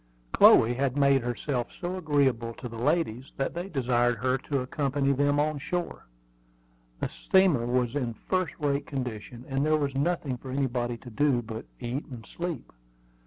Chloe had made herself so agreeable to the ladies that they desired her to accompany them on shore. The steamer was in first rate condition, and there was nothing for anybody to do but eat and sleep.